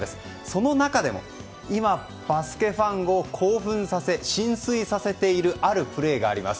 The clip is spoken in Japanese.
その中でも今、バスケファンを興奮させ心酔させているあるプレーがあります。